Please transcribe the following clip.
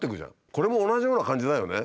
これも同じような感じだよね。